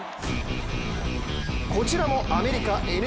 こちらもアメリカＮＢＡ。